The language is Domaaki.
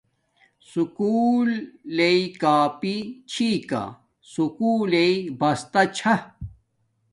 سکُولݵ کاپی چھی کا سکُول لݵ بستا چھا